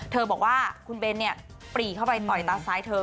บอกว่าคุณเบนเนี่ยปรีเข้าไปต่อยตาซ้ายเธอ